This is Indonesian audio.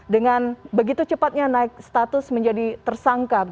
dengan begitu cepatnya naik status menjadi tersangka